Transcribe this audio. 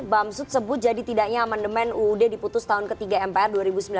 bamsud sebut jadi tidaknya aman demen uud diputus tahun ketiga mpr dua ribu sembilan belas dua ribu dua puluh empat